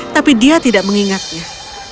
tapi dia tidak mengingatnya